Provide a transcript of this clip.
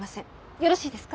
よろしいですか？